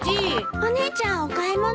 お姉ちゃんお買い物？